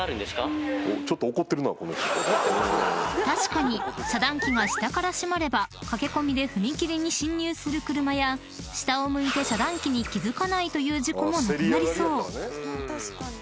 ［確かに遮断機が下から閉まれば駆け込みで踏切に進入する車や下を向いて遮断機に気付かないという事故もなくなりそう］